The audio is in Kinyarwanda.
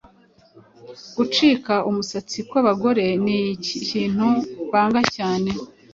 Gucika umusatsi ku bagore nikintu banga cyane